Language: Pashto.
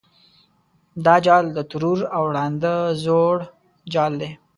دا جال د ترور او ړانده زوړ جال دی.